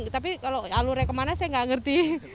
tapi kalau alurnya kemana saya nggak ngerti